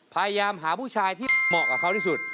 พยายามหาผู้ชายที่เหมาะกับเขาที่สุด